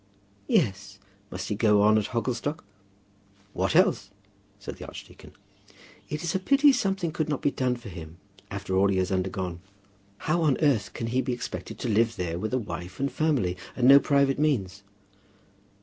"Yes; must he go on at Hogglestock?" "What else?" said the archdeacon. "It is a pity something could not be done for him after all he has undergone. How on earth can he be expected to live there with a wife and family, and no private means?"